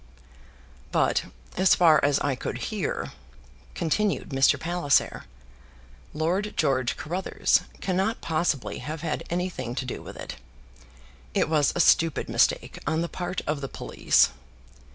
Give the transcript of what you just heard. "But as far as I could hear," continued Mr. Palliser, "Lord George Carruthers cannot possibly have had anything to do with it. It was a stupid mistake on the part of the police."